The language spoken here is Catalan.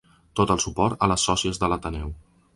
Tot el suport a les sòcies de l'ateneu.